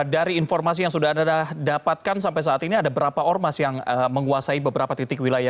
dari informasi yang sudah anda dapatkan sampai saat ini ada berapa ormas yang menguasai beberapa titik wilayah